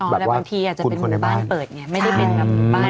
อ๋อแล้วบางทีอาจจะเป็นหมู่บ้านเปิดเนี่ย